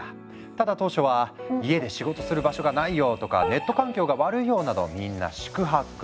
ただ当初は「家で仕事する場所がないよ」とか「ネット環境が悪いよ」などみんな四苦八苦。